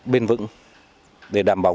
bền vững để đảm bảo